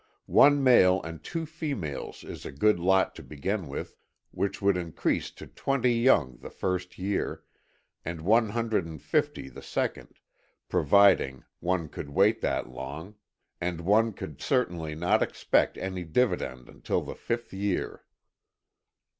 One male and two females is a good lot to begin with, which would increase to twenty young the first year, and one hundred and fifty the second, providing one could wait that long, and one certainly could not expect any dividend until the fifth year.